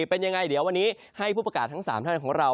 เป็นยังไงเดี๋ยววันนี้ให้ผู้ประกาศทั้ง๓ท่านของเรา